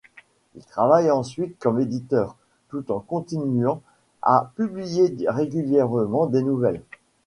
Il travaille ensuite comme éditeur, tout en continuant à publier régulièrement des nouvelles.